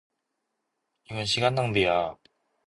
이건 시간 낭비야.